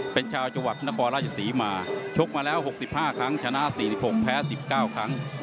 เป็นชาวจังหวัดนครราชศรีมาชกมาแล้ว๖๕ครั้งชนะ๔๖แพ้๑๙ครั้ง